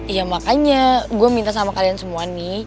ya makanya gue minta sama kalian semua nih